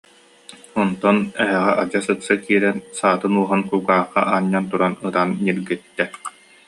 Онтон эһэҕэ адьас ыкса киирэн, саатын уоһун кулгаахха анньан туран ытан ньиргиттэ